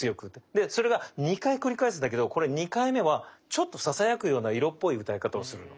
でそれが２回繰り返すんだけどこれ２回目はちょっとささやくような色っぽい歌い方をするの。